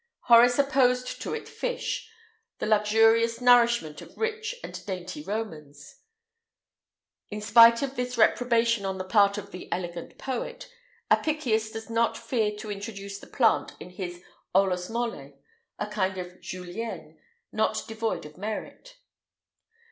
Horace opposed to it fish the luxurious nourishment of rich and dainty Romans.[IX 146] In spite of this reprobation on the part of the elegant poet, Apicius does not fear to introduce the plant in his Olus Molle, a kind of Julienne, not devoid of merit.